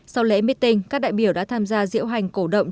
sau lễ meeting các đại biểu đã tham gia diễu hành cổ động